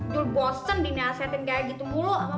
dul bosen dinasetin kayak gitu mulu emak